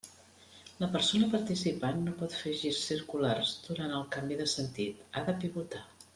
La persona participant no pot fer girs circulars durant el canvi de sentit, ha de pivotar.